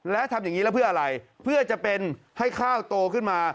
และทำอย่างนี้แล้วเพื่ออะไรเพื่อจะเป็นให้ข้าวโตขึ้นมา